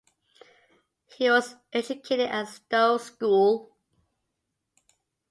He was educated at Stowe School.